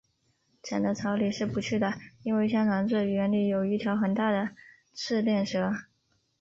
长的草里是不去的，因为相传这园里有一条很大的赤练蛇